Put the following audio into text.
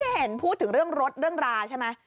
เห็นพูดถึงเรื่องรถเรื่องราใช่ไหม